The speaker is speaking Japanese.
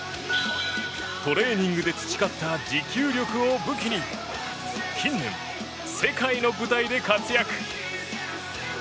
トレーニングで培った持久力を武器に近年、世界の舞台で活躍。